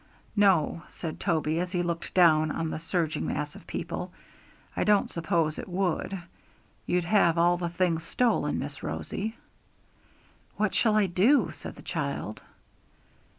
'No' said Toby, as he looked down on the surging mass of people, 'I don't suppose it would; you'd have all your things stolen, Miss Rosie.' 'What shall I do?' said the child.